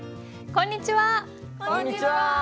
こんにちは！